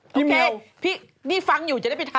พี่เหมียวพี่นี่ฟังอยู่จะได้ไปทำ